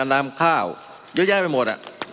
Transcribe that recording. มันมีมาต่อเนื่องมีเหตุการณ์ที่ไม่เคยเกิดขึ้น